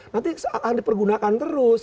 nanti akan dipergunakan terus